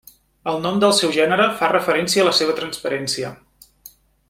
El nom del seu gènere fa referència a la seva transparència.